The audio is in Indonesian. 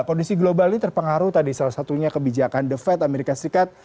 kondisi global ini terpengaruh tadi salah satunya kebijakan the fed amerika serikat